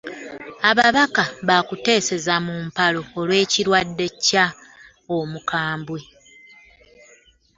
Ababaka ba kuteeseza mu mpalo olw'ekirwadde Kya Omukambwe